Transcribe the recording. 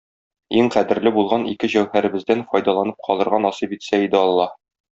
Иң кадерле булган ике җәүһәребездән файдаланып калырга насыйп итсә иде Аллаһ.